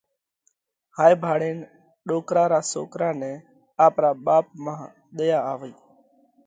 هائي ڀاۯينَ ڏوڪرا را سوڪرا نئہ آپرا ٻاپ مانه ۮئيا آوئِي.